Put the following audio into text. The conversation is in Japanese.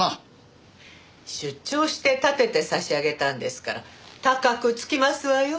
出張してたてて差し上げたんですから高くつきますわよ。